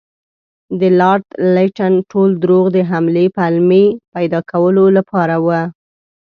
د لارډ لیټن ټول دروغ د حملې پلمې پیدا کولو لپاره وو.